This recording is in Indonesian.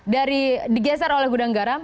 digeser oleh gudang garam